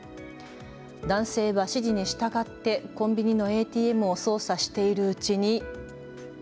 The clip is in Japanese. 男性は指示に従ってコンビニのＡＴＭを操作しているうちに。